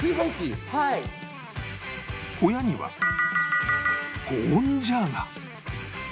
小屋には保温ジャーが